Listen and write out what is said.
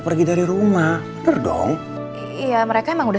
selamat malam dok